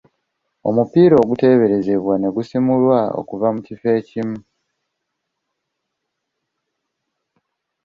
Omupiira ogutereezebbwa ne gusimulwa okuva mu kifo ekimu.